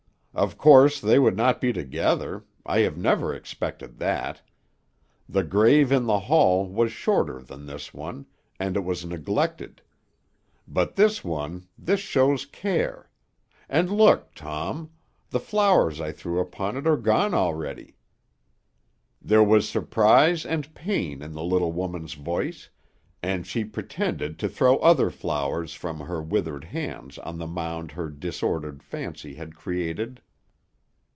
'Of course they would not be together: I have never expected that. The grave in the hall was shorter than this one, and it was neglected. But this one, this shows care. And look, Tom! The flowers I threw upon it are gone already!' "There was surprise and pain in the little woman's voice, and she pretended to throw other flowers from her withered hands on the mound her disordered fancy had created.